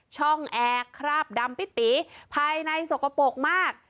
ช่องแอร์คราบดำปิดปีภายในสกปรกมาก